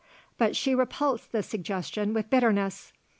But she repulsed the suggestion with bitterness.